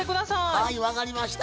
はい分かりました。